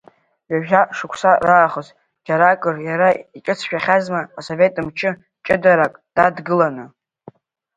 Ҩажәа шықәса раахыс, џьаракыр иара иҿыҵшәахьазма асовет мчы ҷыдарак дадгыланы.